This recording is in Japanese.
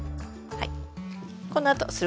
はい。